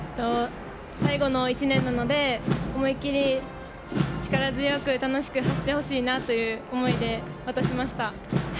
最後の１年なので思いっきり力強く楽しく走ってほしいなという思いで今年、渡しました。